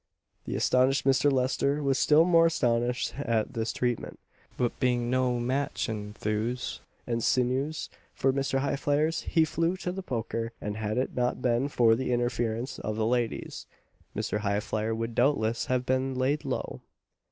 The astonished Mr. Lester was still more astonished at this treatment; but being no match in thews and sinews for Mr. Highflyer, he flew to the poker, and had it not been for the interference of the ladies, Mr. Highflyer would doubtless have been laid low.